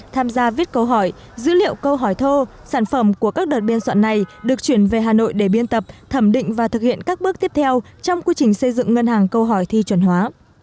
tham gia viết câu hỏi dữ liệu câu hỏi thô sản phẩm của các đợt biên soạn này được chuyển về hà nội để biên tập thẩm định và thực hiện các bước tiếp theo trong quy trình xây dựng ngân hàng câu hỏi thi chuẩn hóa